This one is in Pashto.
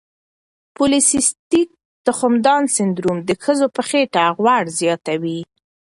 پولی سیسټیک تخمدان سنډروم د ښځو په خېټه غوړ زیاتوي.